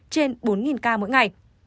trên bốn ca mỗi ngày